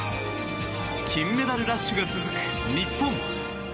金メダルラッシュが続く日本。